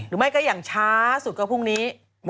หรือไม่ก็อย่างช้าสุดก็พรุ่งนี้๑๐๒๒๘๐